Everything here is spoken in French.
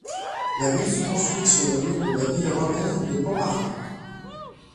La ville fut construite sur les ruines de la ville romaine de Pomaria.